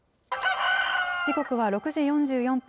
時刻は６時４４分。